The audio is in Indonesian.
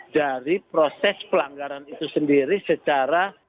dari proses pelanggaran itu sendiri secara